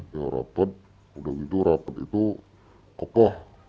ya rapet udah gitu rapet itu kokoh